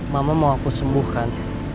mama mau aku sembuhkan